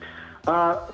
kalau ditilang nggak